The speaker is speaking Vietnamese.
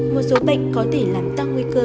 một số bệnh có thể làm tăng nguy cơ